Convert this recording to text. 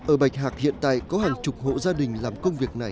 ở bạch hạc hiện tại có hàng chục hộ gia đình làm công việc này